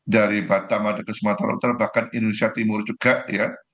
dari batam ada ke sumatera utara bahkan indonesia timur juga ya